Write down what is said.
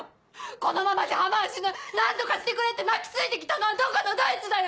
「このままじゃ浜は死ぬ何とかしてくれ」って泣き付いて来たのはどこのどいつだよ！